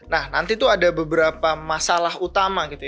nah nanti tuh ada beberapa masalah utama gitu ya